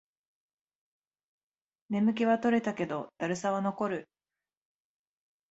眠気は取れたけど、だるさは残る